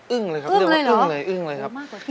อึ้งเลยครับเรียกว่าอึ้งเลยอึ้งเลยครับอึ้งมากกว่าฉัน